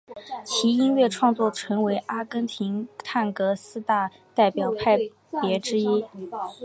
其音乐创作成为阿根廷探戈四大代表派别之一。